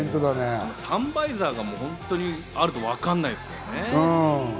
サンバイザーもあるし、わからないですよね。